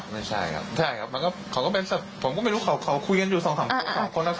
ไม่ใช่ครับใช่ครับมันก็เขาก็เป็นผมก็ไม่รู้เขาคุยกันอยู่สองคนแล้ว